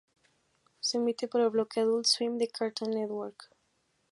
Se emite por el bloque Adult Swim de Cartoon Network.